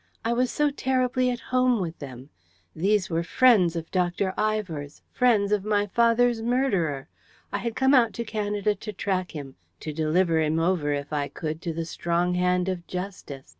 I was so terribly at home with them. These were friends of Dr. Ivor's friends of my father's murderer! I had come out to Canada to track him, to deliver him over, if I could, to the strong hand of Justice.